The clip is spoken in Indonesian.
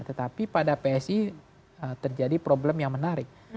tetapi pada psi terjadi problem yang menarik